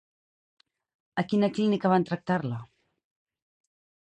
A quina clínica van tractar-la?